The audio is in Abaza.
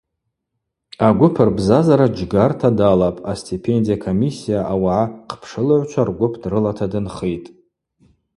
Агвып рбзазара джьгарта далапӏ, а-Стипендия комиссия, ауагӏа хъпшылыгӏвчва ргвып дрылата дынхитӏ.